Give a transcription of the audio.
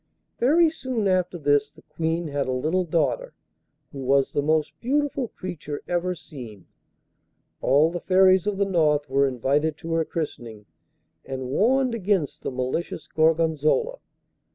Very soon after this the Queen had a little daughter, who was the most beautiful creature ever seen; all the Fairies of the North were invited to her christening, and warned against the malicious Gorgonzola.